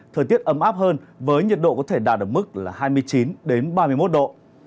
thời tiết ấm áp hơn với nhiệt độ có thể đạt ở mức là hai mươi chín ba mươi một độ